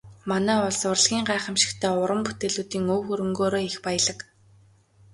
Манай улс урлагийн гайхамшигтай уран бүтээлүүдийн өв хөрөнгөөрөө их баялаг.